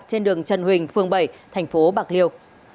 trên đường trần huỳnh phường bảy tp bạc liêu